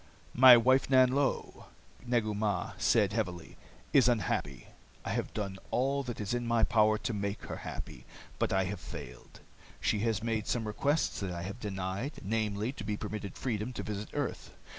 "My wife, Nanlo," Negu Mah said heavily, "is unhappy. I have done all that is in my power to make her happy, but I have failed. She has made some requests that I have denied, namely, to be permitted freedom to visit earth.